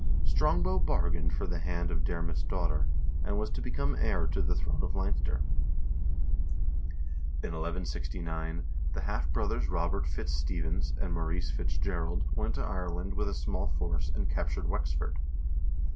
Strongbow bargained for the hand of Diarmait's daughter, and was to become heir to the throne of Leinster. In 1169 the half brothers Robert Fitz Stephens and Maurice Fitz Gerald went to Ireland with a small force and captured Wexford.